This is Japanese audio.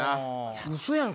ウソやん！